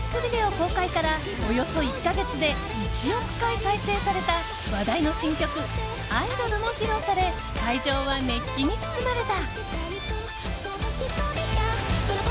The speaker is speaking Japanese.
公開からおよそ１か月で１億回再生された話題の新曲「アイドル」も披露され会場は熱気に包まれた。